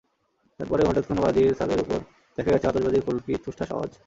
তারপরেও হঠাৎ কোনো বাড়ির ছাদের ওপর দেখা গেছে আতশবাজির ফুলকি, ঠুসঠাস আওয়াজ।